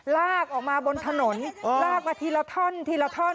ลากออกมาบนถนนลากมาทีละท่อนทีละท่อน